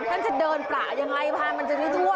ท่านจะเดินประอย่างไรพระอาจารย์มันจะทั่ว